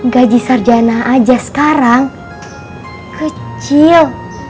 gaji sarjana aja sekarang kecil